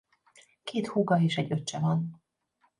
Két húga és egy öccse van.